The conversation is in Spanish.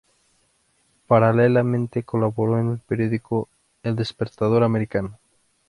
Paralelamente colaboró en el periódico "El Despertador Americano".